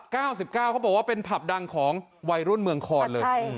คลับ๙๙เป็นผับดังของไวรุ่นเมืองคร